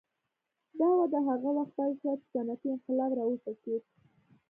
دا وده هغه وخت پیل شوه چې صنعتي انقلاب راوټوکېد.